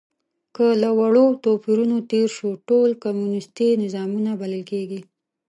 که له وړو توپیرونو تېر شو، ټول کمونیستي نظامونه بلل کېږي.